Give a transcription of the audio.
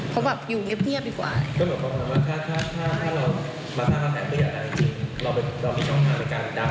ผมแบบอยู่เงียบดีกว่า